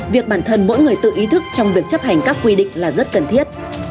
việc bản thân mỗi người tự ý thức trong việc chấp hành các quy định là rất cần thiết